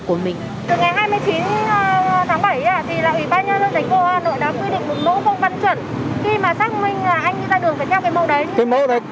văn chuẩn khi mà xác minh anh đi ra đường phải theo cái mẫu đấy